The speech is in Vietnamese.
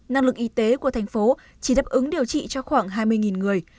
năng lực y tế của thành phố chỉ đáp ứng điều trị cho khoảng hai mươi người